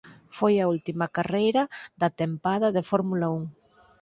Foi a última carreira da tempada de Fórmula Un.